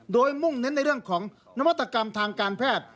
โดยมุ่งเน้นในเรื่องของนวัตกรรมทางการแพทย์